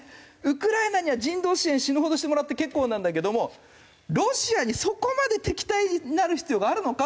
ウクライナには人道支援死ぬほどしてもらって結構なんだけどもロシアにそこまで敵対になる必要があるのかと。